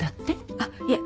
あっいえ